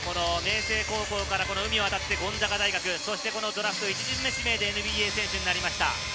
明誠高校から海を渡りゴンザガ大学、ドラフト１巡目指名でＮＢＡ選手になりました。